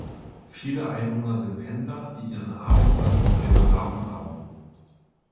Viele Einwohner sind Pendler, die ihren Arbeitsplatz in Bremerhaven haben.